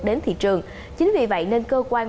đến thị trường chính vì vậy nên cơ quan